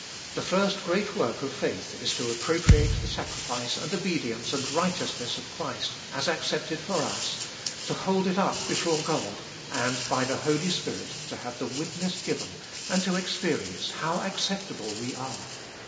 The first great work of faith is to appropriate the sacrifice and obedience and righteous ness of Christ as accepted for us, to hold it up before God, and by the Holy Spirit to have the witness given, and to experience how acceptable we are.